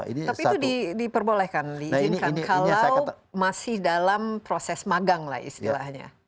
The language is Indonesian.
tapi itu diperbolehkan diizinkan kalau masih dalam proses magang lah istilahnya